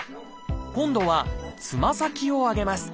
今度はつま先を上げます。